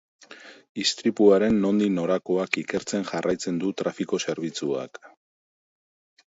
Istripuaren nondik norakoak ikertzen jarraitzen du trafiko zerbitzuak.